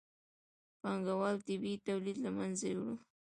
پانګوالۍ طبیعي تولید له منځه یووړ.